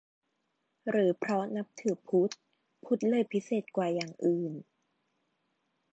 หรือเพราะนับถือพุทธ พุทธเลยพิเศษกว่าอย่างอื่น ?